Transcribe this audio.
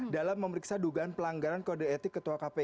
dalam memeriksa dugaan pelanggaran kode etik ketua kpk